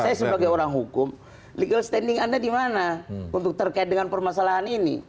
saya sebagai orang hukum legal standing anda di mana untuk terkait dengan permasalahan ini